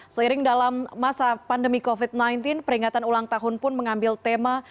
seiring dalam masa pandemi covid sembilan belas peringatan ulang tahun pun mengambil tema